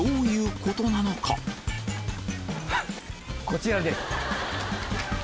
こちらです。